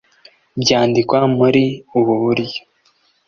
byandikwa muri ubu buryo